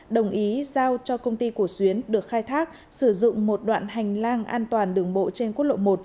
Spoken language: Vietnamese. đồng ý giao cho công ty cổ xuyến được khai thác sử dụng một đoạn hành lang an toàn đường bộ trên quốc lộ một